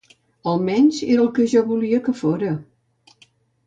Almenys era el que jo volia que fóra...